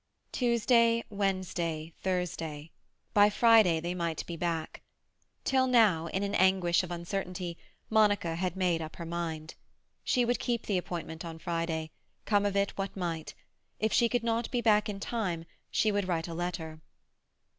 Tuesday, Wednesday, Thursday—By Friday they might be back. Till now, in an anguish of uncertainty, Monica had made up her mind. She would keep the appointment on Friday, come of it what might. If she could not be back in time, she would write a letter.